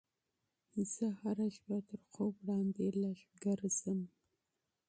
زه هره شپه تر خوب وړاندې لږ ګرځم.